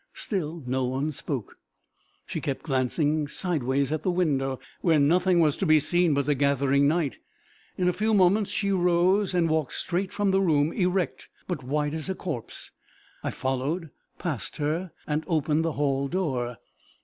Still no one spoke. She kept glancing sideways at the window, where nothing was to be seen but the gathering night. In a few moments she rose and walked straight from the room, erect, but white as a corpse. I followed, passed her, and opened the hall door.